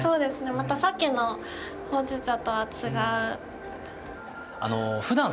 またさっきのほうじ茶とは違う。